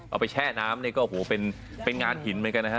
เอาไปแช่น้ำนี่ก็เป็นงานหินเหมือนกันนะฮะ